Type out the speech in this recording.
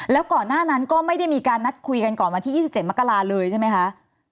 แล้วก่อนหน้านั้นก็ไม่ได้มีการนัดคุยกันก่อนวันที่๒๗มกราเลยใช่ไหมคะ